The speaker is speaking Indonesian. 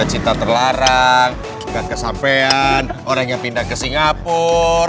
gak cinta terlarang gak kesampean orang yang pindah ke singapur